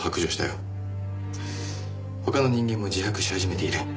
他の人間も自白し始めている。